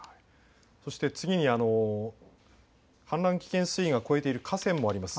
そして次に氾濫危険水位を超えている河川もあります。